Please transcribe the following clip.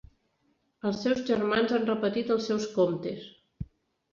Els seus germans han repetit els seus comptes.